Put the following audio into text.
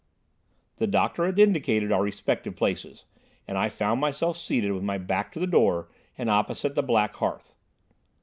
The doctor had indicated our respective places, and I found myself seated with my back to the door and opposite the black hearth.